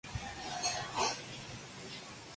Sus primeros trabajos se publicaron en la revista "Star".